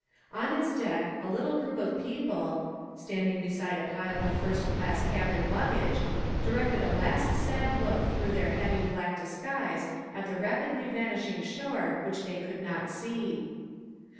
On its deck a little group of people, standing beside a pile of first class cabin luggage, directed a last sad look through their heavy black disguise at the rapidly vanishing shore which they could not see.